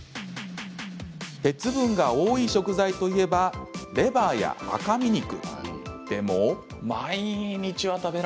鉄分が多い食材といえばレバーや赤身肉。